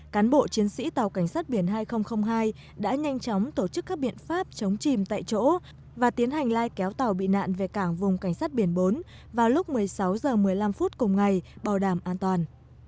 cán bộ chiến sĩ tàu cảnh sát biển hai nghìn hai đã nhanh chóng tổ chức các biện pháp chống chìm tại chỗ và tiến hành lai kéo tàu bị nạn về cảng vùng cảnh sát biển bốn vào lúc một mươi sáu h một mươi năm phút cùng ngày bảo đảm an toàn